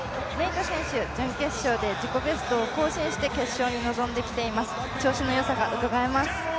準決勝で自己ベストを更新して決勝に臨んできています、調子のよさがうかがえます。